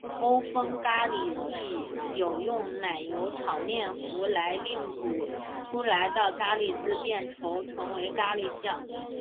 欧风咖哩亦有用奶油炒面糊来令煮出来的咖喱汁变稠成为咖喱酱。